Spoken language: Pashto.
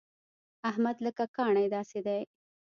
احمد لکه کاڼی داسې دی.